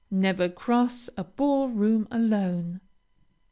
Never cross a ball room alone.